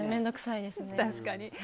確かに。